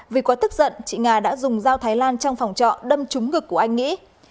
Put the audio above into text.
vì quá tức giận chị ngà đã dùng dao thái lan trong phòng trọ đâm trúng ngực của anh vĩ